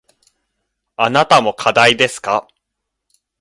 あなたも課題ですか。